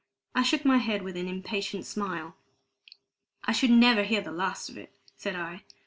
I shook my head with an impatient smile. "I should never hear the last of it," said I.